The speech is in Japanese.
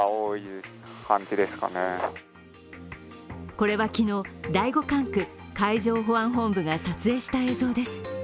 これは昨日、第五管区海上保安本部が撮影した映像です。